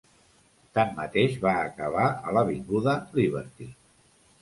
Tanmateix, va acabar a l'avinguda Liberty.